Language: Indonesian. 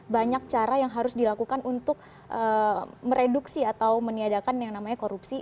banyak cara yang harus dilakukan untuk mereduksi atau meniadakan yang namanya korupsi